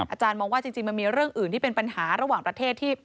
อาจารย์มองว่าจริงมันมีเรื่องอื่นที่เป็นปัญหาระหว่างประเทศที่